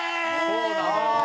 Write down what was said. そうなのよね！